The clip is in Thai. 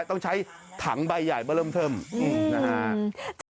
ต้องใช้ถังใบใหญ่มาเริ่มเทิมนะฮะ